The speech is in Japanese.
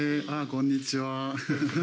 こんにちは。